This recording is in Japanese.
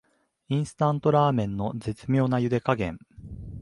インスタントラーメンの絶妙なゆで加減